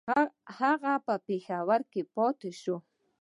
هغه په پېښور کې پاته شي.